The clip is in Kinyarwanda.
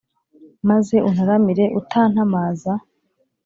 maze untaramire utantamaza?